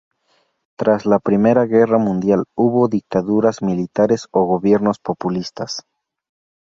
Tras la Primera Guerra Mundial hubo dictaduras militares o gobiernos populistas.